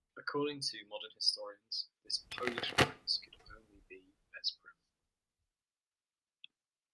According to modern historians, this Polish prince could only be Bezprym.